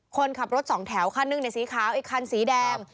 คนขับรถสองแถวคันหนึ่งในสีขาวอีกคันสีแดง